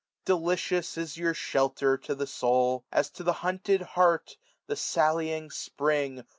Delicious is your shelter to the soul. As to the hunted hart the sallying spring.